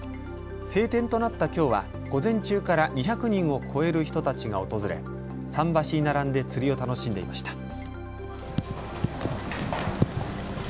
晴天となったきょうは午前中から２００人を超える人たちが訪れ桟橋に並んで釣りを楽しんでいました。